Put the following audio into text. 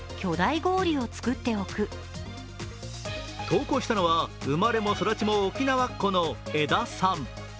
投稿したのは生まれも育ちも沖縄っ子のえださん。